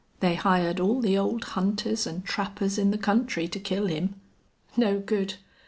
They hired all the old hunters an' trappers in the country to kill him. No good!